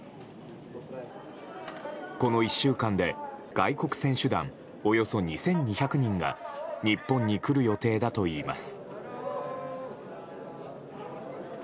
この１週間で外国選手団およそ２２００人が日本に来る予定だといいます。